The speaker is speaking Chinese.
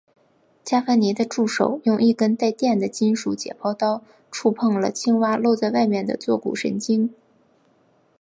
伽伐尼的助手用一根带电荷的金属解剖刀触碰了青蛙露在外面的坐骨神经。